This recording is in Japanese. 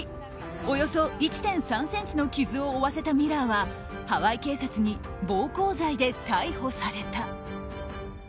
およそ１．３ｃｍの傷を負わせたミラーはハワイ警察に暴行罪で逮捕された。